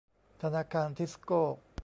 ธนาคารทิสโก้